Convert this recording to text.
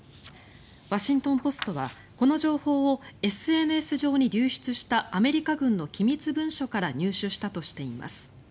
ワシントン・ポストはこの情報をＳＮＳ上に流出したアメリカ軍の機密文書から入手したとしています。